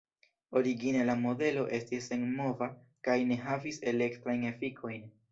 Origine la modelo estis senmova kaj ne havis elektrajn efikojn.